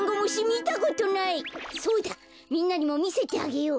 みんなにもみせてあげよう。